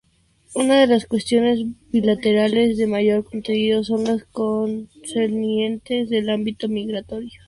Una de las cuestiones bilaterales de mayor contenido son las concernientes al ámbito migratorio.